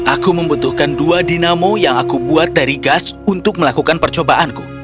aku membutuhkan dua dinamo yang aku buat dari gas untuk melakukan percobaanku